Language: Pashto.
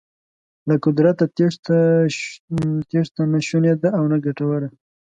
له قدرته تېښته نه شونې ده او نه ګټوره.